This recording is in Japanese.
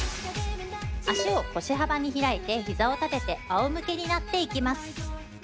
脚を腰幅に開いて、ひざを立てて仰向けになっていきます。